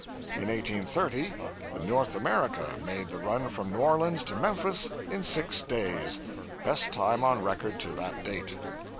'In 1830 the "North American" made the run from New Orleans to Memphis in six days best time on record to that date.